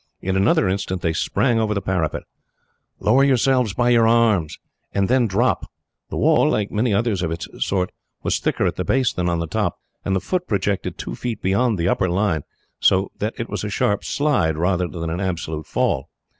In another instant, they sprang over the parapet. "Lower yourself by your arms, and then drop." The wall, like many others of its sort, was thicker at the base than on the top, and the foot projected two feet beyond the upper line, so that it was a sharp slide, rather than an absolute fall.